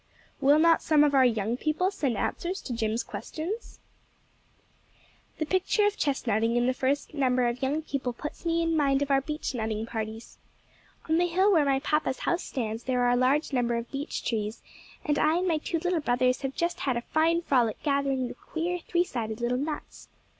Will not some of our "young people" send answers to "Jim's" questions? The picture of Chestnutting in the first number of Young People puts me in mind of our beechnutting parties. On the hill where my papa's house stands there are a large number of beech trees, and I and my two little brothers have just had a fine frolic gathering the queer three sided little nuts.